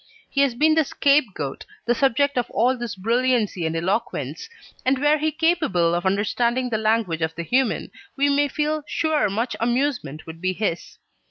He has been the scapegoat, the subject of all this brilliancy and eloquence, and were he capable of understanding the language of the human, we may feel sure much amusement would be his.